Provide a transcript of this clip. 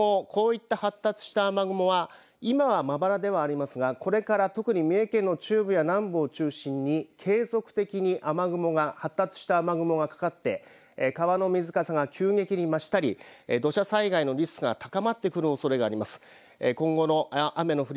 今後こういった発達した雨雲は今はまばらではありますがこれから特に三重県の中部や南部を中心に継続的に雨雲が発達した雨雲がかかって川の水かさが急激に増したり土砂災害のリスクが高まってくるおそれがあります。